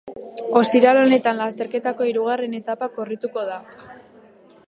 Ostiral honetan lasterketako hirugarren etapa korrituko da.